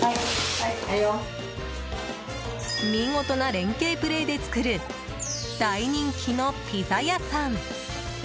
見事な連係プレーで作る大人気のピザ屋さん！